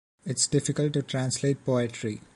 It's difficult to translate poetry.